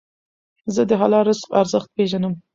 زه د حلال رزق ارزښت پېژنم.